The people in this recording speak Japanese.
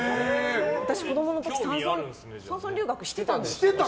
私、子供の時山村留学してたんです。